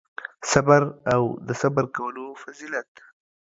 صبر او د صبر کولو فضیلت